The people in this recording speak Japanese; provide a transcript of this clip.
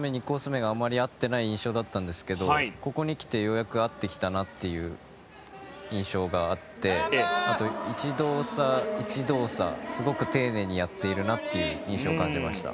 目があまり合っていない印象だったんですがここに来て、ようやく合ってきたなという印象があってあと、一動作一動作すごく丁寧にやっているという印象がありました。